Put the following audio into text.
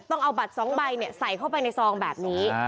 ต้องเอาบัตร๒ใบใส่เข้าไปในซองแบบนี้